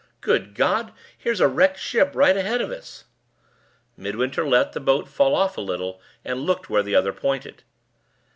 "Good God! here's a wrecked ship right ahead of us!" Midwinter let the boat fall off a little, and looked where the other pointed.